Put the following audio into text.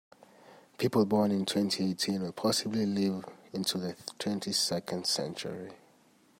People born in twenty-eighteen will possibly live into the twenty-second century.